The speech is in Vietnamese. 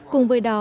cùng với đó